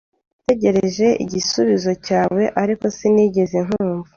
Nategereje igisubizo cyawe, ariko sinigeze nkumva.